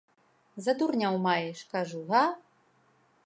За дурняў маеш, кажу, га?